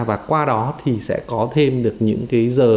và qua đó thì sẽ có thêm được những nguyên nhân